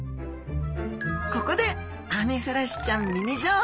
ここでアメフラシちゃんミニ情報。